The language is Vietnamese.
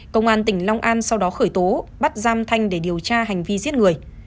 công an tỉnh long an sau đó khởi tố bắt giam thanh để điều tra hành vi giết người